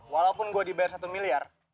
walaupun gue dibayar satu miliar